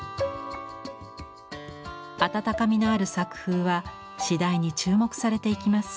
温かみのある作風は次第に注目されていきます。